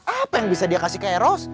apa yang bisa dia kasih ke eros